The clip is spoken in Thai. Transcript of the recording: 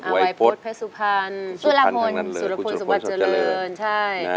อาวัยพุทธพระสุพรรณสุรพลสุรพลสุรพลสวัสดิ์เจริญใช่